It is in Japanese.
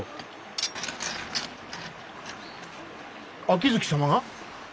秋月様が？